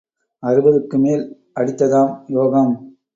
அறுபதுக்கு மேல் அடித்ததாம் யோகம்.